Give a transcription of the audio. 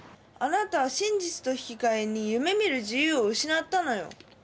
あなたは真実と引き換えに夢見る自由を失ったのよ。